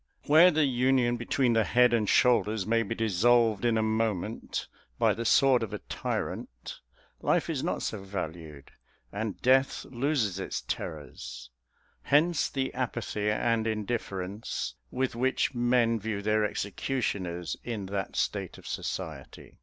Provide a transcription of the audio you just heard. Where the union between the head and shoulders may be dissolved in a moment by the sword of a tyrant, life is not so valued, and death loses its terrors; hence the apathy and indifference with which men view their executioners in that state of society.